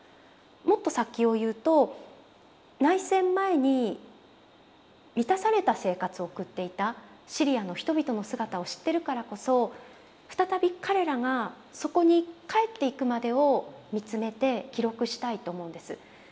もっと先を言うと内戦前に満たされた生活を送っていたシリアの人々の姿を知ってるからこそ再び彼らがそこに帰っていくまでをみつめて記録したいと思うんです。